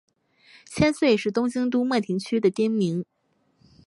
千岁是东京都墨田区的町名。